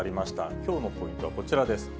きょうのポイント、こちらです。